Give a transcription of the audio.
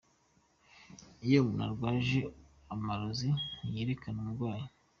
Iyo umuntu arwaje amarozi, ntiyerekana umurwayi.